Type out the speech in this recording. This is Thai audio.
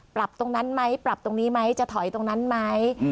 ปรับตรงนั้นไหมปรับตรงนี้ไหมจะถอยตรงนั้นไหม